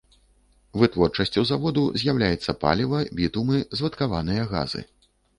Вытворчасцю заводу з'яўляецца паліва, бітумы, звадкаваныя газы.